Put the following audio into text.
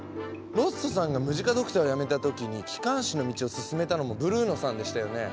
ロッソさんがムジカドクターをやめた時に機関士の道をすすめたのもブルーノさんでしたよね。